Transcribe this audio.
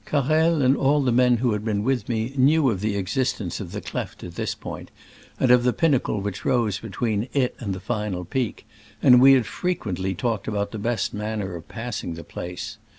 Carrel and all the men who had been with me knew of the exist ence of the cleft at this point, and of the pinnacle which rose between it and the final peak, and we had frequently talk ed about the best manner of passing the place.